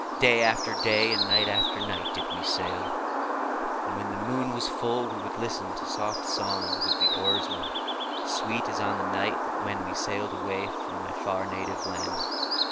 Day after day and night after night did we sail, and when the moon was full we would listen to soft songs of the oarsmen, sweet as on that distant night when we sailed away from my far native land.